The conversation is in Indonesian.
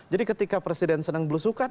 jadi ketika presiden senang belusukan